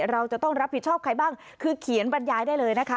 เราจะต้องรับผิดชอบใครบ้างคือเขียนบรรยายได้เลยนะคะ